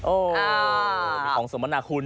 โอ้โหมีของสมนาคุณ